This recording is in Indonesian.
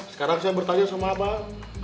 sekarang saya bertanya sama abang